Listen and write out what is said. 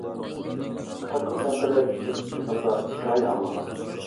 كاككۇك ھەققىدە كىچىك چېغىمدا ھېكايە ئاڭلىغان.